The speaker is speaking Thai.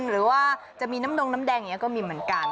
หรือว่าจะมีน้ำดงน้ำแดงอย่างนี้ก็มีเหมือนกัน